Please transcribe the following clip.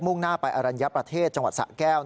่งหน้าไปอรัญญประเทศจังหวัดสะแก้ว